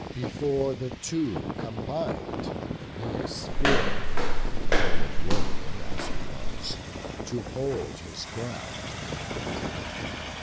Before the two combined, Æneas fear'd, Bold warrior as he was, to hold his ground.